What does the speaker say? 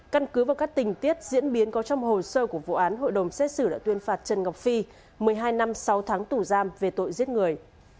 căn cứ vào các tình tiết diễn biến có trong hồ sơ của vụ án hội đồng xét xử đã tuyên phạt trần ngọc phi một mươi hai năm sáu tháng tù giam về tội giết người